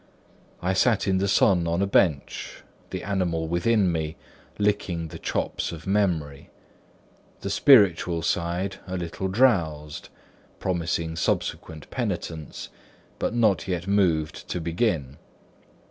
I sat in the sun on a bench; the animal within me licking the chops of memory; the spiritual side a little drowsed, promising subsequent penitence, but not yet moved to begin.